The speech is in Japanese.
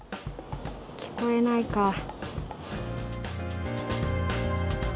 聞こえないか。